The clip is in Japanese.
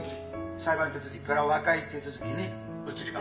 裁判手続きから和解手続きに移ります。